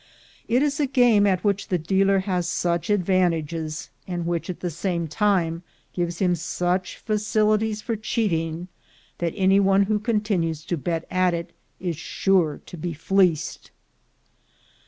It is a game at which the dealer has such advantages, and which, at the same time, gives him such facilities for cheating, that any one who con tinues to bet at it is sure to be fleeced.